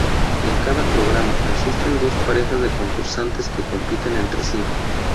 En cada programa, asisten dos parejas de concursantes que compiten entre sí.